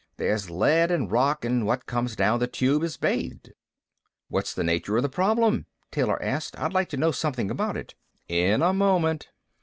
There's lead and rock, and what comes down the Tube is bathed." "What's the nature of the problem?" Taylor asked. "I'd like to know something about it." "In a moment."